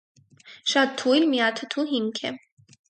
Շատ թույլ, միաթթու հիմք է։